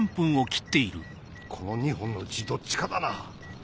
この２本のうちどっちかだな。